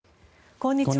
こんにちは。